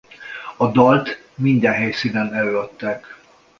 A dalt minden helyszínen előadták.